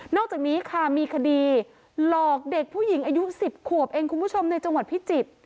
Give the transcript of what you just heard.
อกจากนี้ค่ะมีคดีหลอกเด็กผู้หญิงอายุ๑๐ขวบเองคุณผู้ชมในจังหวัดพิจิตร